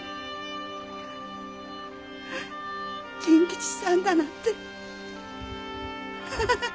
甚吉さんだなんて。